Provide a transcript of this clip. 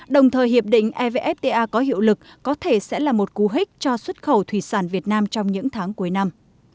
đồng thời hiệp định evfta có hiệu lực có thể sẽ là một cú hích cho xuất khẩu thủy sản việt nam trong những tháng cuối năm